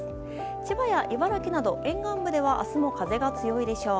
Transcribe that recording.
千葉や茨城など沿岸部では明日も風が強いでしょう。